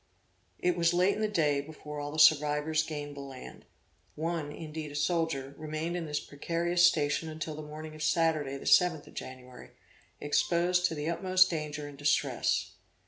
It was late in the day before all the survivors gained the land; one indeed a soldier, remained in this precarious station until the morning of Saturday the 7th of January; exposed to the utmost danger and distress.